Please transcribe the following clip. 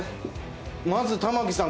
まず玉置さん